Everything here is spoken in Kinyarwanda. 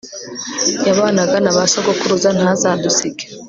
yabanaga na ba sogokuruza ntizadusige